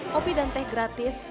kopi dan teh gratis